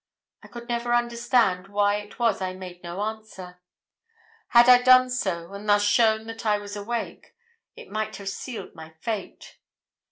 I could never understand why it was I made no answer. Had I done so, and thus shown that I was awake, it might have sealed my fate.